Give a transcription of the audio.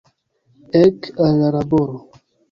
Ek, al la laboro!